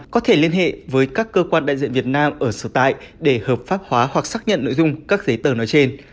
có thể liên hệ với các cơ quan đại diện việt nam ở sở tại để hợp pháp hóa hoặc xác nhận nội dung các giấy tờ nói trên